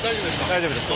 大丈夫です。